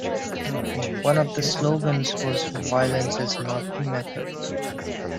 One of the slogans was "Violence is not the method".